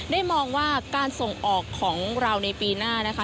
มองว่าการส่งออกของเราในปีหน้านะคะ